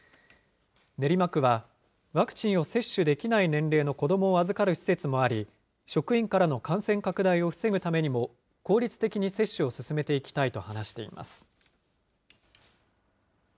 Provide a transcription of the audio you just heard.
練馬区は、ワクチンを接種できない年齢の子どもを預かる施設もあり、職員からの感染拡大を防ぐためにも、効率的に接種を進めていきたいと話しています。